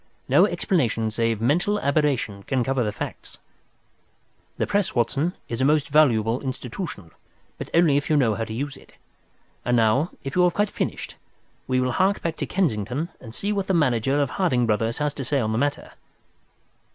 No explanation save mental aberration can cover the facts. "The Press, Watson, is a most valuable institution, if you only know how to use it. And now, if you have quite finished, we will hark back to Kensington and see what the manager of Harding Brothers has to say on the matter."